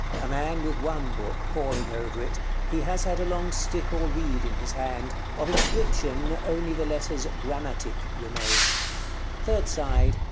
_ A man with one book, poring over it: he has had a long stick or reed in his hand. Of inscription only the letters "GRAMMATIC" remain. _Third side.